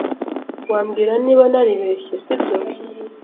Wambwira niba naribeshye, sibyo?